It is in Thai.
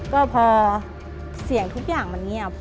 ก็พอเสียงทุกอย่างมันเงียบ